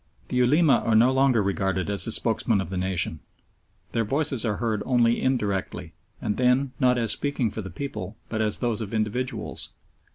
The Ulema are no longer regarded as the spokesmen of the nation. Their voices are heard only indirectly, and then not as speaking for the people but as those of individuals.